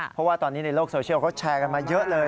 เพราะว่าตอนนี้ในโลกโซเชียลเขาแชร์กันมาเยอะเลย